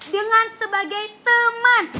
dengan sebagai teman